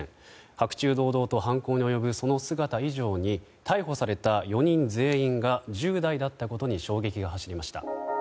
白昼堂々と犯行に及ぶその姿以上に逮捕された４人全員が１０代だったことに衝撃が走りました。